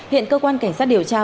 hiện cơ quan cảnh sát điều tra